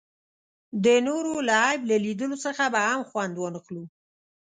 د نورو له عیب له لیدلو څخه به هم خوند وانخلو.